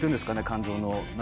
感情の。